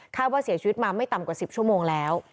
ว่าเสียชีวิตมาไม่ต่ำกว่า๑๐ชั่วโมงแล้ว